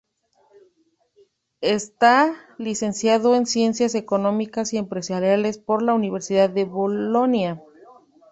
Está licenciado en Ciencias Económicas y Empresariales por la Universidad de Bolonia.